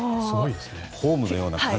ホームのような歓声で。